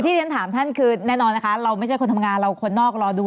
ที่ฉันถามท่านคือแน่นอนนะคะเราไม่ใช่คนทำงานเราคนนอกรอดู